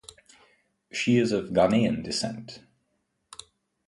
She is of Ghanaian descent.